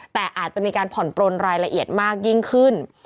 แต่อาจจะมีการผ่อนปลนรายละเอียดมากยิ่งขึ้น